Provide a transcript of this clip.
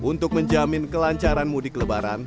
untuk menjamin kelancaran mudik lebaran